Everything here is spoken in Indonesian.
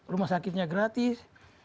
rumah sakitnya gratis